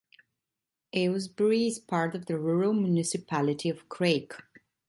Aylesbury is part of the Rural Municipality of Craik.